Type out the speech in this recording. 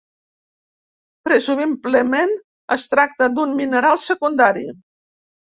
Presumiblement es tracta d'un mineral secundari.